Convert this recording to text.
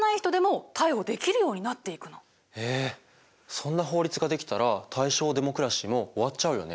そんな法律ができたら大正デモクラシーも終わっちゃうよね。